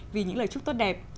vì những lời chúc tốt đẹp